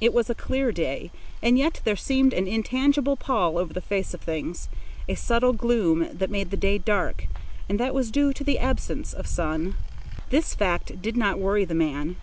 It was a clear day, and yet there seemed an intangible pall over the face of things, a subtle gloom that made the day dark, and that was due to the absence of sun. This fact did not worry the man.